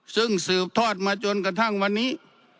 ซึ่งสืบทอดมาจนกระทั่งวันนี้